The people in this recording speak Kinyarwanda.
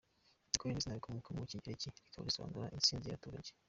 Nicole ni izina rikomoka mu kigereki, rikaba risobanura "Intsinzi y'abaturage”.